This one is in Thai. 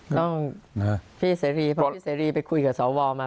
พี่เสรีเพราะพี่เสรีไปคุยกับสวมา